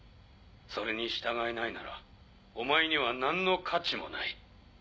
それに従えないならお前には何の価値もない。